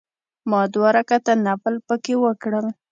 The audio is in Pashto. ما دوه رکعته نفل په کې وکړل.